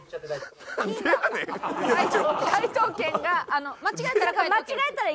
解答権が間違えたら。